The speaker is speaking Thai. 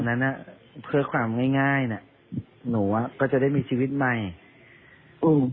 นั้นอ่ะเพื่อความง่ายง่ายน่ะหนูอ่ะก็จะได้มีชีวิตใหม่อืม